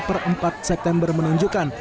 per empat september menunjukkan